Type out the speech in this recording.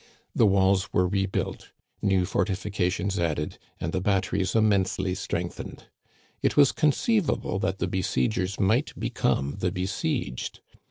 The walls were rebuilt, new fortifications added, and the batteries immensely strengthened. It was conceivable that the besiegers might become the besieged.